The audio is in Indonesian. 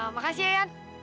makasih ya ian